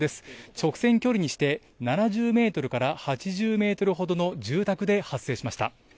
直線距離にして７０メートルから８０メートルほどの住宅で発生しました。